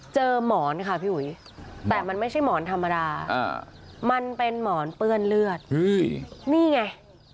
หมอนค่ะพี่อุ๋ยแต่มันไม่ใช่หมอนธรรมดามันเป็นหมอนเปื้อนเลือดนี่ไง